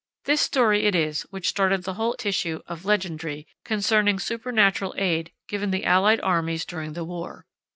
This story it is which started the whole tissue of legendry concerning supernatural aid given the allied armies during the war.